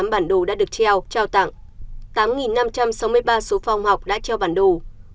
một mươi bốn trăm năm mươi tám bản đồ đã được treo trao tặng tám năm trăm sáu mươi ba số phong học đã treo bản đồ